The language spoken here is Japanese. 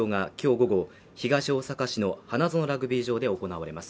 午後東大阪市の花園ラグビー場で行われます